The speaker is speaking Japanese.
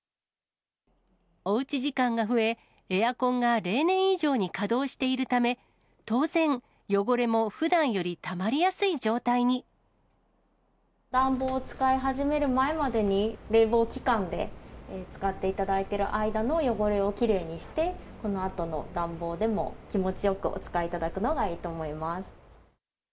おうち時間が増え、エアコンが例年以上に稼働しているため、当然、汚れもふだんより暖房を使い始める前までに、冷房期間で使っていただいてる間の汚れをきれいにして、このあとの暖房でも、気持ちよくお使いいただくのがいいと思います。